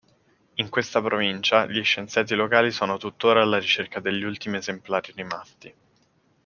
In questa provincia gli scienziati locali sono tuttora alla ricerca degli ultimi esemplari rimasti.